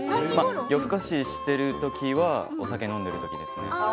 夜更かししてるときはお酒飲んでるときですね。